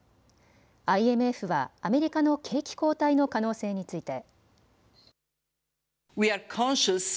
ＩＭＦはアメリカの景気後退の可能性について。